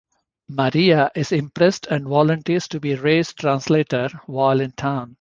Maria is impressed and volunteers to be Ray's translator while in town.